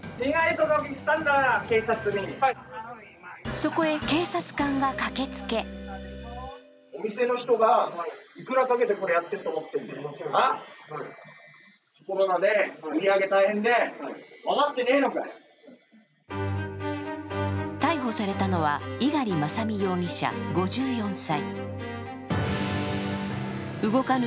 そこへ警察官が駆けつけ逮捕されたのは、猪狩正美容疑者５４歳。